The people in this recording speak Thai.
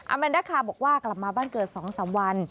แมนดาคาบอกว่ากลับมาบ้านเกิด๒๓วัน